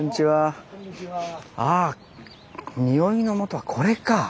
ああ匂いのもとはこれか。